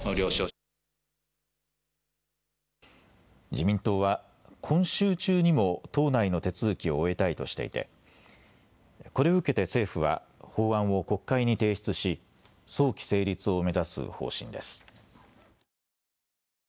自民党は今週中にも党内の手続きを終えたいとしていてこれを受けて政府は法案を国会に提出し早期成立を目指す方針です。